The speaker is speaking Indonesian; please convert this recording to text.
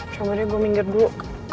coba deh gue minggir dulu